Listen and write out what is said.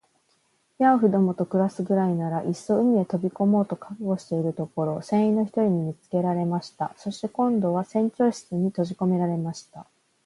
ヤーフどもと暮すくらいなら、いっそ海へ飛び込もうと覚悟しているところを、船員の一人に見つけられました。そして、今度は船長室にとじこめられました。